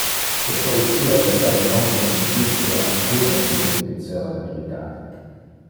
Le policia restava non convincite que alcuno de illes diceva le veritate.